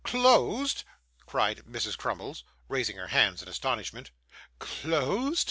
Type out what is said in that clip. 'Closed!' cried Mrs. Crummles, raising her hands in astonishment. 'Closed!